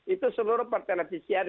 itu seluruh pertenevisian